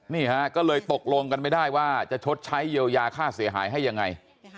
นี่ฮะก็เลยตกลงกันไม่ได้ว่าจะชดใช้เยียวยาค่าเสียหายให้ยังไง